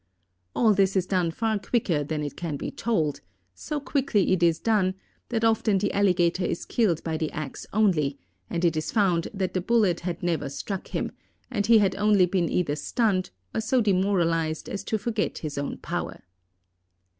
All this is done far quicker than it can be told; so quickly is it done that often the alligator is killed by the ax only, and it is found that the bullet had never struck him, and he had only been either stunned, or so demoralized as to forget his own power.